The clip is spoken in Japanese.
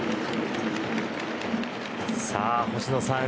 さあ星野さん。